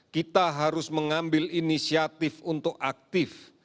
kita harus mengambil inisiatif untuk aktif